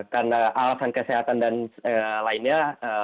karena alasan kesehatan dan lainnya